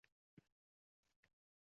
Bo‘lib ko‘p berahm, bo‘lib beomon